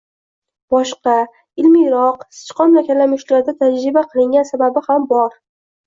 Boshqa – ilmiyroq, sichqon va kalamushlarda tajriba qilingan sababi ham bor.